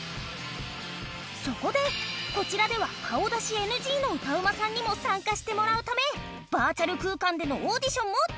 そこでこちらでは顔出しＮＧの歌うまさんにも参加してもらうためバーチャル空間でのオーディションも実施したのじゃ。